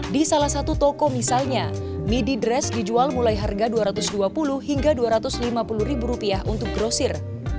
di salah satu toko misalnya midi dress dijual mulai harga rp dua ratus dua puluh hingga rp dua ratus lima puluh ribu rupiah untuk grosir